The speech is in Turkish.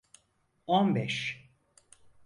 On beş.